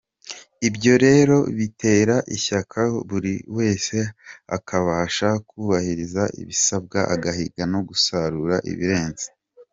Ibyo rero bitera ishyaka buri wese akabasha kubahiriza ibisabwa agahiga no gusarura ibirenze.